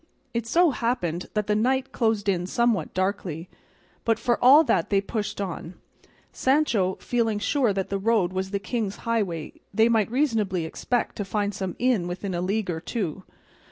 It so happened that the night closed in somewhat darkly, but for all that they pushed on, Sancho feeling sure that as the road was the king's highway they might reasonably expect to find some inn within a league or two.